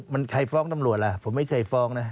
มันใครฟ้องตำรวจล่ะผมไม่เคยฟ้องนะ